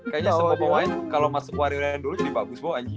kayaknya semua pemain kalo masuk wario land dulu jadi bagus bo anjing